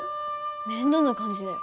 面倒な感じだよ。